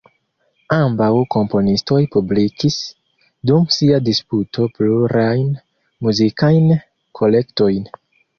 Ambaŭ komponistoj publikis dum sia disputo plurajn muzikajn kolektojn.